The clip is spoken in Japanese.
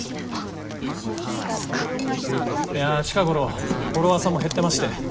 いや近頃フォロワーさんも減ってまして。